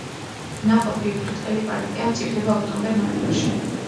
ნაყოფი ბრტყელი პარკია, მწიფდება ოქტომბერ-ნოემბერში.